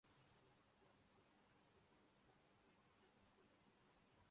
اگر اسے نفاذ سے محروم رکھا جائے تو اس کی حیثیت محض رائے اور نقطۂ نظر کی سی ہوتی ہے